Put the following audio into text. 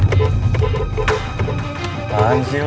gak apa apa sih lo